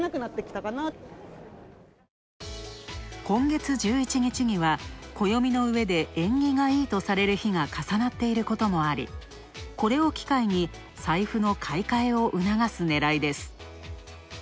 今月１１日には、暦の上で縁起がいいとされる日が重なっていることもあり、これを機会に財布の買い替えをうながす狙いです。